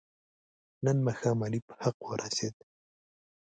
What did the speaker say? نن ماښام علي په حق ورسید.